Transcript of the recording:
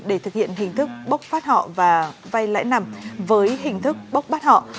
để thực hiện hình thức bốc phát họ và vay lãi nặng với hình thức bốc bắt họ